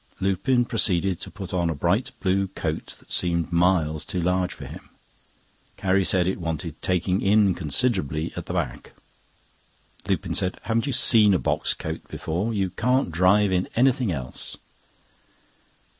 Lupin proceeded to put on a bright blue coat that seemed miles too large for him. Carrie said it wanted taking in considerably at the back. Lupin said: "Haven't you seen a box coat before? You can't drive in anything else."